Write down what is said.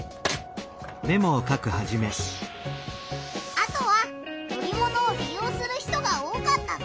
あとは乗り物をり用する人が多かったぞ！